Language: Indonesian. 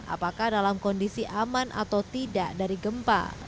apakah dalam kondisi aman atau tidak dari gempa